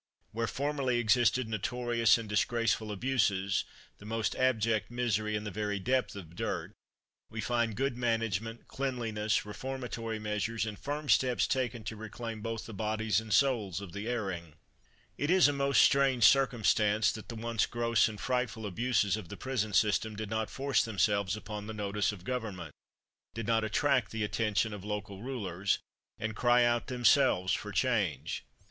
Where formerly existed notorious and disgraceful abuses, the most abject misery, and the very depth of dirt, we find good management, cleanliness, reformatory measures, and firm steps taken to reclaim both the bodies and souls of the erring. It is a most strange circumstance that the once gross and frightful abuses of the prison system did not force themselves upon the notice of government did not attract the attention of local rulers, and cry out themselves for change.